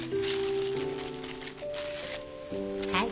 はい。